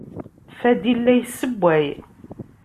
Fadil la yessewway.